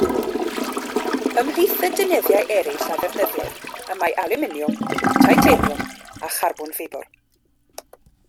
Ymhlith y deunyddiau eraill a ddefnyddir y mae alwminiwm, titaniwm a charbon ffibr.